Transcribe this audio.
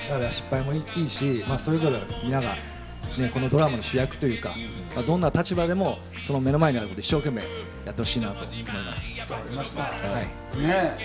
でも失敗もいいし、それぞれみんながこのドラマの主役というか、どんな立場でも目の前にあることに一生懸命やってほしいです。